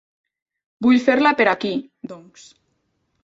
Vull fer-la per aquí, doncs.